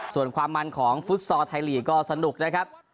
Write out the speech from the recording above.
ส่วนความมันของฟุตซอลไทยลีกก็สนุกนะครับ